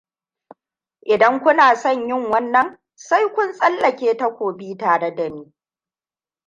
Idan kuna son yin wannan, sai kun tsallake takobi tare dani.